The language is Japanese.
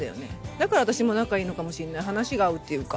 だから私も仲いいのかもしんない話が合うっていうか。